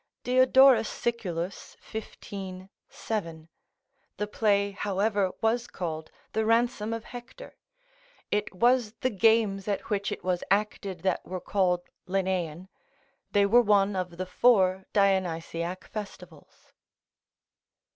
[Diodorus Siculus, xv. 7. The play, however, was called the "Ransom of Hector." It was the games at which it was acted that were called Leneian; they were one of the four Dionysiac festivals.